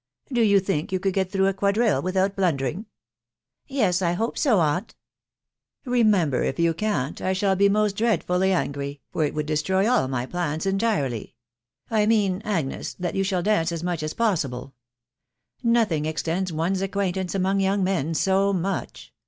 Do you think you could get through a quad rille without blundering ?"" Yes, I hope so, aunt." " Remember, if you can't, I shall be most dreadfully angry, for it would destroy all my plans entirely. — I mean, Agnes, that you shall dance as much as possible; — nothing extends one's acquaintance among young men so much.